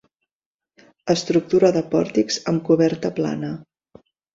Estructura de pòrtics amb coberta plana.